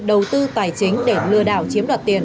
đầu tư tài chính để lừa đảo chiếm đoạt tiền